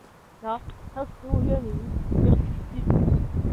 哈勒尔是一个位于美国阿肯色州卡尔霍恩县的城镇。